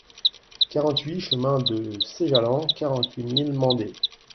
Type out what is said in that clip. quarante-huit chemin de Séjalan, quarante-huit mille Mende